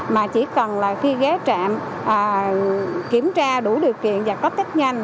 mà chỉ cần là khi ghé trạm kiểm tra đủ điều kiện và có test nhanh